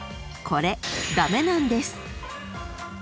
［これ駄目なんです］